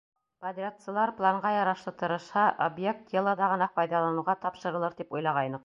Подрядсылар планға ярашлы тырышһа, объект йыл аҙағына файҙаланыуға тапшырылыр тип уйлағайныҡ.